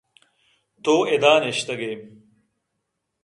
تو اِدا نشتگے